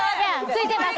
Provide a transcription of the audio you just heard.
ついてます